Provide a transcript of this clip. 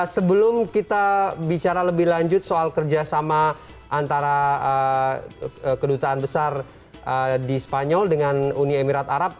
sebelum kita bicara lebih lanjut soal kerjasama antara kedutaan besar di spanyol dengan uni emirat arab